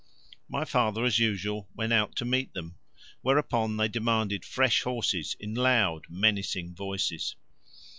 My father as usual went out to meet them, whereupon they demanded fresh horses in loud menacing voices.